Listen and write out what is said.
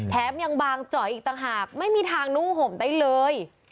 แถมยังบางเจาะอีกต่างหากไม่มีทางนุ่งห่มได้เลย